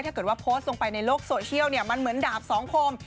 ถ้าเกิดว่าโพสต์ลงไปในโลกโซเชียลเนี่ยมันเหมือนดาบสองคม